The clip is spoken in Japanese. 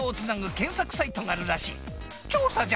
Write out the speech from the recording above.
調査じゃ！